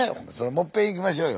もっぺんいきましょうよ。